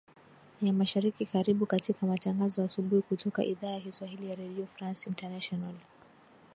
ya mashariki karibu katika matangazo asubuhi kutoka idhaa ya kiswahili ya radio france international